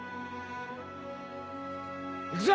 行くぞ！